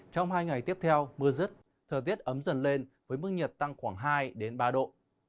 trong hai ngày tiếp theo mưa rứt thời tiết ấm dần lên với mức nhiệt tăng khoảng hai ba độ